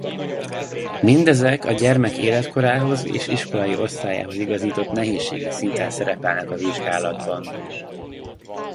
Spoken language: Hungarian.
Mindezek a gyermek életkorához és iskolai osztályához igazított nehézségi szinten szerepelnek a vizsgálatban.